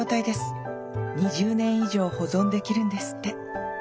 ２０年以上保存できるんですって。